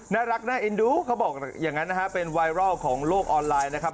น่ารักน่าเอ็นดูเขาบอกอย่างนั้นนะฮะเป็นไวรัลของโลกออนไลน์นะครับ